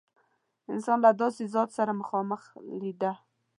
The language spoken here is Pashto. انسان له داسې ذات سره مخامخ لیده.